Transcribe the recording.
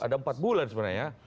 ada empat bulan sebenarnya